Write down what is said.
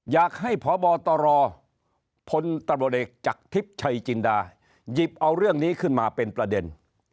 อยากให้พบตรพลตำรวจเอกจากทิพย์ชัยจินดาหยิบเอาเรื่องนี้ขึ้นมาเป็นประเด็น